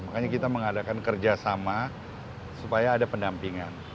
makanya kita mengadakan kerjasama supaya ada pendampingan